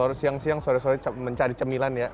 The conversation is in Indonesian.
sering banget siang siang sore sore mencari cemilan ya